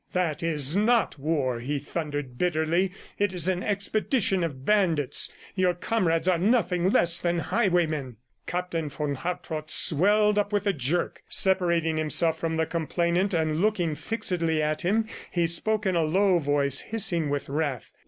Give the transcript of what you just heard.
"That is NOT war!" he thundered bitterly. "It is an expedition of bandits. ... Your comrades are nothing less than highwaymen." Captain von Hartrott swelled up with a jerk. Separating himself from the complainant and looking fixedly at him, he spoke in a low voice, hissing with wrath.